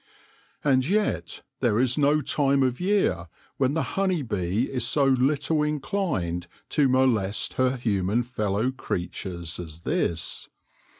And yet there is no time of year when the honey bee is so little inclined to molest her human fellow creatures as this.